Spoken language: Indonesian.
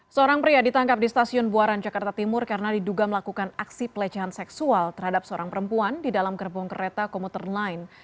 seorang pria ditangkap di stasiun buaran jakarta timur karena diduga melakukan aksi pelecehan seksual terhadap seorang perempuan di dalam gerbong kereta komuter lain